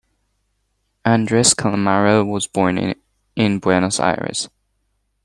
Andres Calamaro was born in Buenos Aires.